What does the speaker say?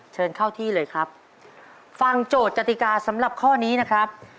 เชิญเข้าที่เลยครับฟังโจทย์กติกาสำหรับข้อนี้นะครับ